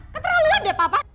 keterlaluan deh papas